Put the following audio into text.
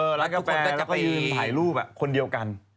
เออร้านกาแฟแล้วไปยืนถ่ายรูปคนเดียวกัน